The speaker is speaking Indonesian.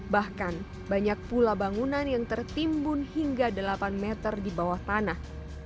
bahkan banyak pula bangunan yang tertimbun hingga delapan meter di bawah tanah